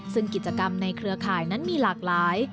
ซึ่งกิจกรรมในเครือข่ายนั้นมีหลากหลาย